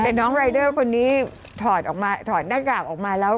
แต่น้องรายเดอร์คนนี้ถอดหน้ากากมาแล้ว